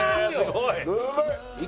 うまい。